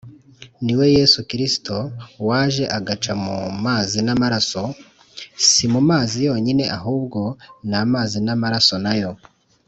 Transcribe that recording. Ni we Yesu Kristo waje agaca mu mazi n’amaraso, si mu mazi yonyine ahubwo ni amazi n’amaraso na yo,